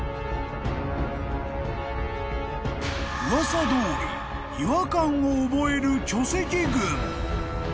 ［噂どおり違和感を覚える巨石群］